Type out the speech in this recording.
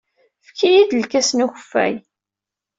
Efk-iyi-d lkas n ukeffay.